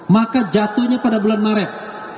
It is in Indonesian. maka jatuhnya pada bulan maret